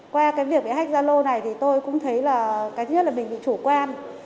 qua cái việc hách gia lô này thì tôi cũng thấy là cái thứ nhất là mình bị chủ quan